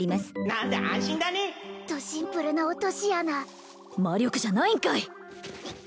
何だ安心だねどシンプルな落とし穴魔力じゃないんかい！